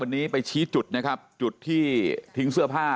วันนี้ไปชี้จุดนะครับจุดที่ทิ้งเสื้อผ้า